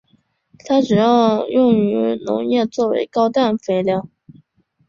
它主要用于农业作为高氮肥料。